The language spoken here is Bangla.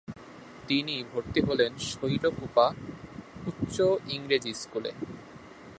তিনি ভর্তি হলেন শৈলকূপা উচ্চ ইংরেজি স্কুলে।